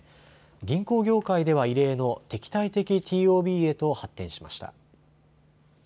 銀行業界では異例の敵対的ＴＯＢへと発展しました。